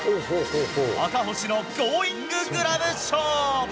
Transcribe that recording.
赤星のゴーインググラブ賞。